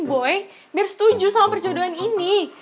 boy biar setuju sama perjodohan ini